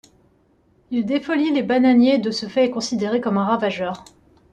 Il défolie les bananiers et de ce fait est considéré comme un ravageur.